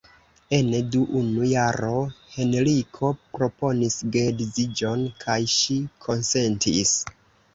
Ene du unu jaro Henriko proponis geedziĝon kaj ŝi konsentis.